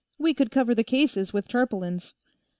We could cover the cases with tarpaulins."